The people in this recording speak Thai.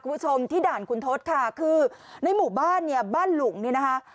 คุณผู้ชมที่ด่านคุณทศค่ะคือในหมู่บ้านเนี่ยบ้านหลุงเนี่ยนะคะ